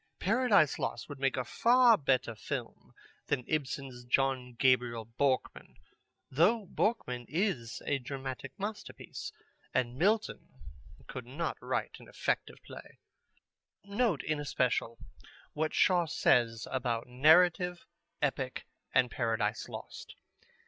Paradise Lost would make a far better film than Ibsen's John Gabriel Borkman, though Borkman is a dramatic masterpiece, and Milton could not write an effective play." Note in especial what Shaw says about narrative, epic, and Paradise Lost.